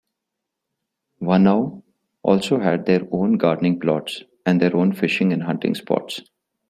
Whānau also had their own gardening plots and their own fishing and hunting spots.